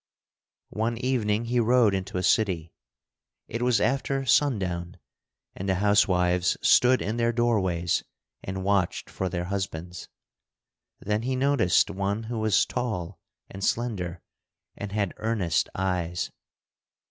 One evening he rode into a city. It was after sundown, and the housewives stood in their doorways and watched for their husbands. Then he noticed one who was tall and slender, and had earnest eyes.